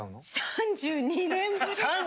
３２年ぶり！？